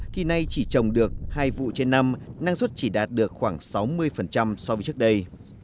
thì nay chỉ trồng được hai vụ trên năm năng suất chỉ đạt được khoảng sáu mươi so với trước đây